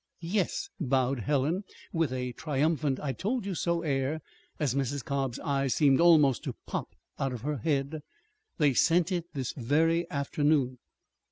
_" "Yes," bowed Helen, with a triumphant "I told you so" air, as Mrs. Cobb's eyes seemed almost to pop out of her head. "They sent it this very afternoon."